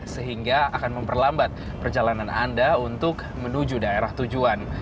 sehingga akan memperlambat perjalanan anda untuk menuju daerah tujuan